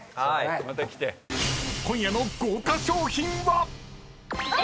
［今夜の豪華賞品は⁉］え！